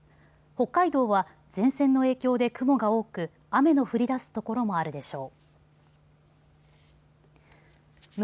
北海道は前線の影響で雲が多く雨の降りだす所もあるでしょう。